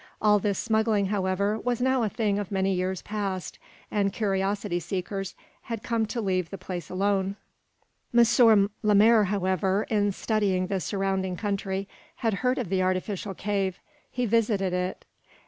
All this smuggling, however, was now a thing of many years past, and curiosity seekers had come to leave the place alone. M. Lemaire, however, in studying the surrounding country, had heard of the artificial cave. He visited it.